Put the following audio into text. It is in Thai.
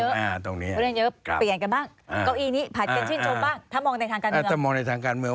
เก้าอี้นี้ผัดกันชื่นชมบ้างถ้ามองในทางการเมือง